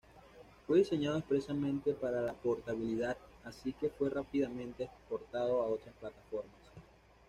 Fue diseñado expresamente para la portabilidad así que fue rápidamente exportado a otras plataformas.